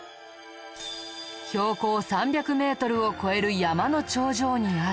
標高３００メートルを超える山の頂上にあり。